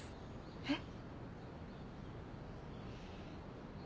えっ？